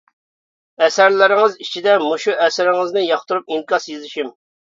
ئەسەرلىرىڭىز ئىچىدە مۇشۇ ئەسىرىڭىزنى ياقتۇرۇپ، ئىنكاس يېزىشىم.